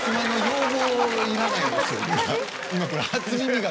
今これ『初耳学』。